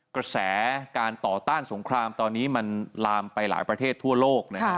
กระแสการต่อต้านสงครามตอนนี้มันลามไปหลายประเทศทั่วโลกนะฮะ